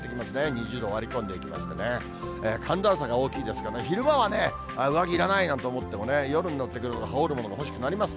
２０度を割り込んでいきますからね、寒暖差が大きいですからね、昼間は上着いらないなんて思ってもね、夜になってくると、羽織るものが欲しくなります。